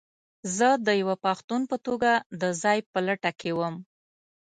زه د یوه پښتون په توګه د ځاى په لټه کې وم.